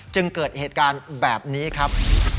จึงเกิดเหตุการณ์แบบนี้ครับ